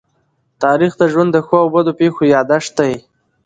تاریخ د ژوند د ښو او بدو پېښو يادښت دی.